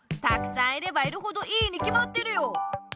たくさんいればいるほどいいにきまってるよ！